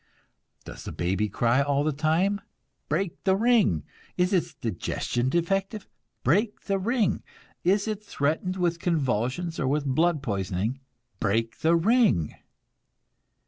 Does the baby cry all the time? Break the ring! Is its digestion defective? Break the ring! Is it threatened with convulsions or with blood poisoning? Break the ring!